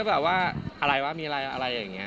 แบบว่าอะไรวะมีอะไรอะไรอย่างนี้